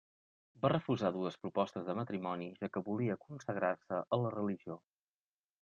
Va refusar dues propostes de matrimoni, ja que volia consagrar-se a la religió.